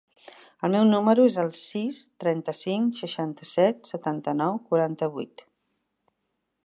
El meu número es el sis, trenta-cinc, seixanta-set, setanta-nou, quaranta-vuit.